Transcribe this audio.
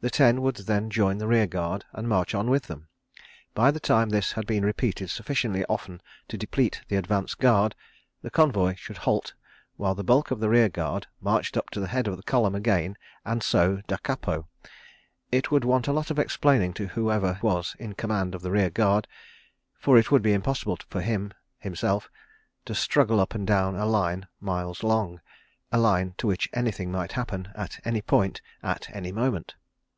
The ten would then join the rear guard and march on with them. By the time this had been repeated sufficiently often to deplete the advance guard, the convoy should halt while the bulk of the rear guard marched up to the head of the column again and so da capo. It would want a lot of explaining to whoever was in command of the rear guard, for it would be impossible for him, himself, to struggle up and down a line miles long—a line to which anything might happen, at any point, at any moment.